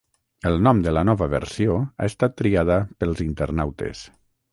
El nom de la nova versió ha estat triada pels internautes.